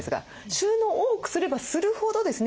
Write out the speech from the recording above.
収納を多くすればするほどですね